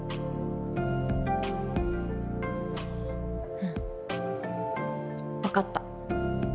うんわかった。